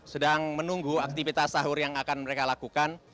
sedang menunggu aktivitas sahur yang akan mereka lakukan